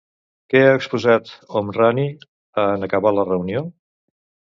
Què ha exposat Homrani en acabar la reunió?